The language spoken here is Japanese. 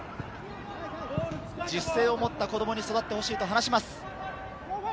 自主性を持った子どもに育ってほしいと話します。